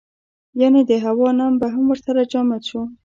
یعنې د هوا نم به هم ورسره جامد شو.